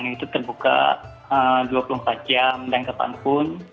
makanan itu terbuka dua puluh empat jam dan kepanpun